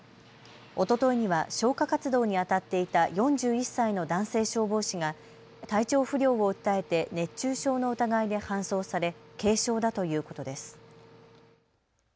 おとといには消火活動にあたっていた４１歳の男性消防士が体調不良を訴えて熱中症の疑いで搬送され軽症だということです。